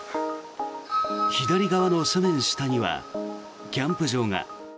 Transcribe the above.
左側の斜面下にはキャンプ場が。